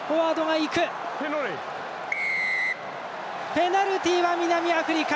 ペナルティは南アフリカ。